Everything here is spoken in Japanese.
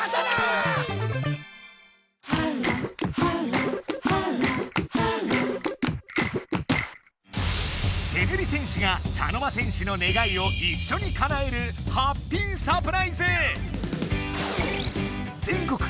てれび戦士が茶の間戦士の願いをいっしょにかなえるハッピーサプライズ！